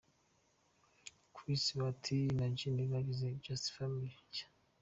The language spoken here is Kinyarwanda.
Chris, Bahati na Jimmy bagize Just Family nshya.